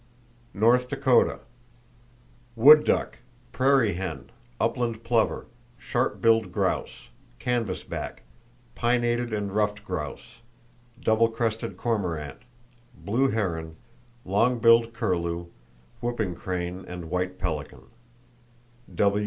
North Dakota: Wood duck, prairie hen, upland plover, sharp tailed grouse, canvas back, pinnated and ruffed grouse, double crested cormorant, blue heron, long billed curlew, whooping crane and white pelican.